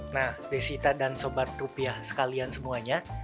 nah desita dan sobat tupiah sekalian semuanya